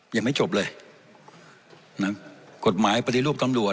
ยังไม่จบเลยนะกฎหมายปฏิรูปตำรวจ